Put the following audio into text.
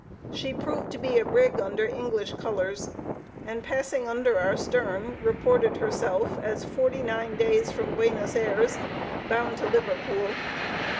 She proved to be a brig under English colors, and passing under our stern, reported herself as forty nine days from Buenos Ayres, bound to Liverpool.